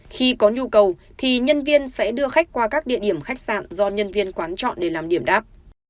khi có nhu cầu thì nhân viên sẽ đưa khách qua các địa điểm khách sạn do nhân viên quán chọn để làm điểm đáp